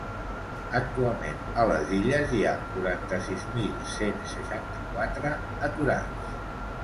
Actualment a les Illes hi ha quaranta-sis mil cent seixanta-quatre aturats.